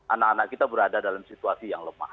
anak anak kita berada dalam situasi yang lemah